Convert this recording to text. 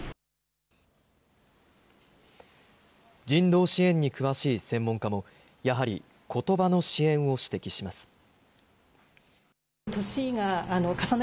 人道支援に詳しい専門家もやはり言葉の支援を指摘します。